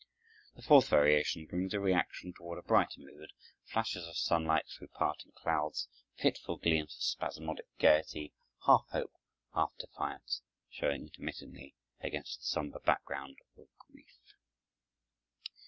The fourth variation brings a reaction toward a brighter mood, flashes of sunlight through parting clouds, fitful gleams of spasmodic gaiety, half hope, half defiance, showing intermittently against the somber background of grief.